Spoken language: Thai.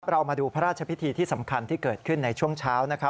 เรามาดูพระราชพิธีที่สำคัญที่เกิดขึ้นในช่วงเช้านะครับ